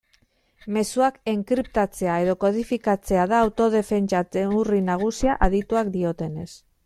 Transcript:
Mezuak enkriptatzea edo kodifikatzea da autodefentsa neurri nagusia adituek diotenez.